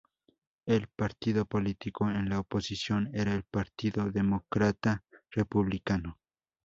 El partido político en la oposición era el partido Democráta-Republicano.